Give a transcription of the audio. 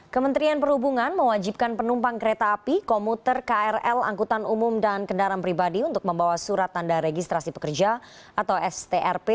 kementerian perhubungan mewajibkan penumpang kereta api komuter krl angkutan umum dan kendaraan pribadi untuk membawa surat tanda registrasi pekerja atau strp